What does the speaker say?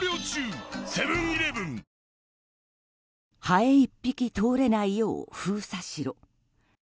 ハエ一匹通れないよう封鎖しろ。